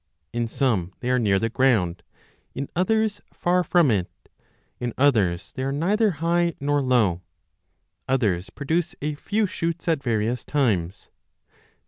10 In some they are near the ground, in others far from it, in others they are neither high nor low : others produce a few shoots at various times.